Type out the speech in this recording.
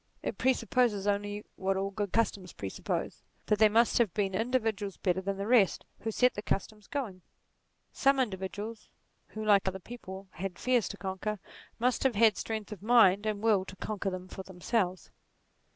It presupposes only what all good customs presuppose that there must have been in dividuals better than the rest, who set the customs going. Some individuals, who like other people had fears to conquer, must have had strength of mind and will to conquer them for themselves.